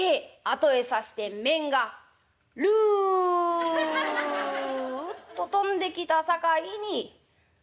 「後へ指して雌がるっと飛んできたさかいにつるやな」。